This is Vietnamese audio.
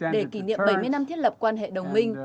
để kỷ niệm bảy mươi năm thiết lập quan hệ đồng minh